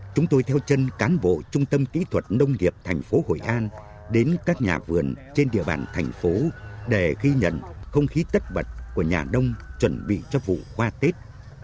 chúng tôi theo chân cán bộ trung tâm kỹ thuật nông nghiệp thành phố hội an đến các nhà vườn trên địa bàn thành phố để ghi nhận không khí tất bật của nhà nông chuẩn bị cho vụ hoa tết